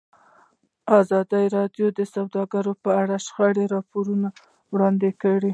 ازادي راډیو د سوداګري په اړه د شخړو راپورونه وړاندې کړي.